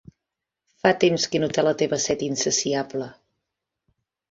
Fa temps que he notat la teva set insaciable.